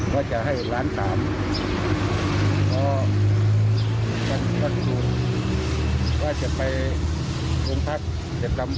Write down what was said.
ว่าจะให้๑ล้าน๓เพราะว่าจะไปกรุงทัศน์